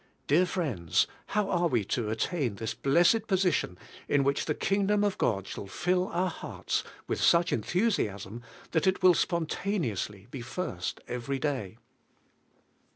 Dear friends, how are we to attain to this blessed position in which the Kingdom of God shall fill our hearts with such enthusiasm that it will spontaneously be first every day.?